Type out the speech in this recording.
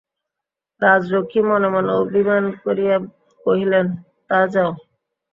রাজলক্ষ্মী মনে মনে অভিমান করিয়া কহিলেন, তা যাও।